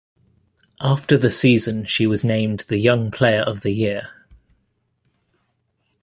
After the season she was named the Young Player of the Year.